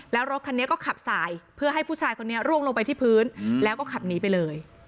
แล้วรถคันนี้ก็ขับสายเพื่อให้ผู้ชายคนนี้ร่วงลงไปที่พื้นแล้วก็ขับหนีไปเลย